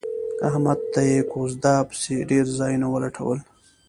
احمد ته یې کوزده پسې ډېر ځایونه ولټول